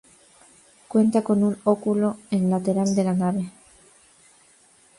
Cuenta con un óculo en lateral de la nave.